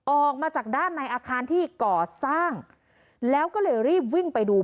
ออกมาจากด้านในอาคารที่ก่อสร้างแล้วก็เลยรีบวิ่งไปดู